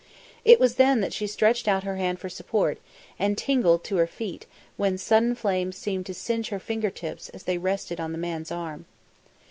It was then that she stretched out her hand for support, and tingled to her feet when sudden flames seemed to singe her finger tips as they rested on the man's arm.